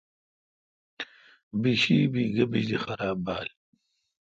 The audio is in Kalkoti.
بیشی بی گہ بجلی خراب بال۔